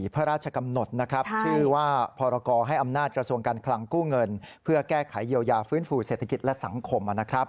เพื่อแก้ไขเยียวยาฟื้นฟูเศรษฐกิจและสังคม